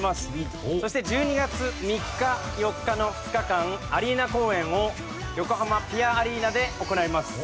そして１２月３日４日の２日間アリーナ公演を横浜ぴあアリーナで行います。